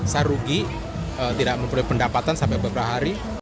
saya rugi tidak mempunyai pendapatan sampai beberapa hari